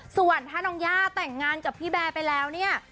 ส่วนถ้าน้องย่าแต่งงานกับพี่แบร์ไปแล้วเนี่ย